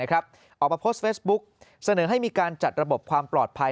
ออกมาโพสต์เฟซบุ๊กเสนอให้มีการจัดระบบความปลอดภัย